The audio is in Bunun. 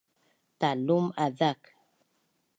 Talum azak